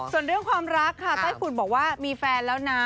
ส่วนเรื่องความรักค่ะไต้ฝุ่นบอกว่ามีแฟนแล้วนะ